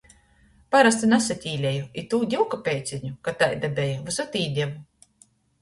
Parosti nasatīlēja i tū divkapeiceņu, ka taida beja, vysod īdeve.